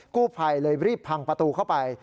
กู้ภัยเลยรีบพังประตูเข้าไป